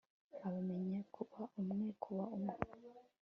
abemeye kuba umwe kuba umwe